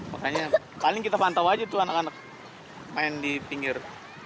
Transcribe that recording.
makanya paling kita pantau aja tuh anak anak main di pinggir